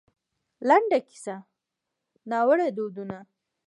لـنـډه کيـسـه :نـاوړه دودونـه